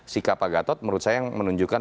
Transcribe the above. sikap pak gatot menurut saya yang menunjukkan